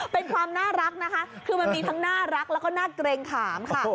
เป็นความน่ารักนะคะคือมันมีทั้งน่ารักแล้วก็น่าเกรงขามค่ะ